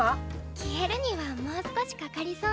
消えるにはもう少しかかりそうね。